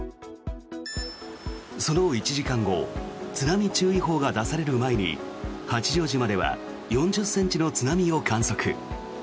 その１時間後津波注意報が出される前に八丈島では４０ｃｍの津波を観測。